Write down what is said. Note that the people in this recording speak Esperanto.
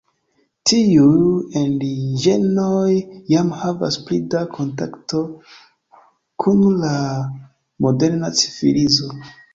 Tiuj indiĝenoj jam havas pli da kontakto kun la moderna civilizo.